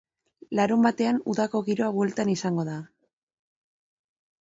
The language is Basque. Larunbatean udako giroa bueltan izango da.